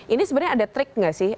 ini sebenarnya ada trik nggak sih